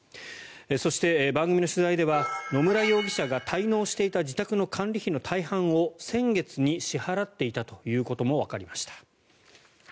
そして、番組の取材では野村容疑者が滞納していた自宅の管理費の大半を先月に支払っていたということもわかりました。